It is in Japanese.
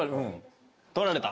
取られた？